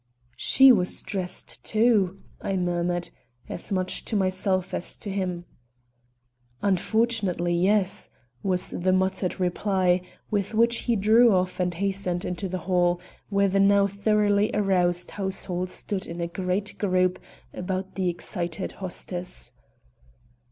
"She was dressed, too," I murmured, as much to myself as to him. "Unfortunately, yes," was the muttered reply, with which he drew off and hastened into the hall, where the now thoroughly aroused household stood in a great group about the excited hostess.